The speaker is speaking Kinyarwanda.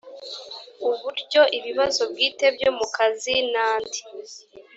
uburyo ibibazo bwite byo mu kazi n andi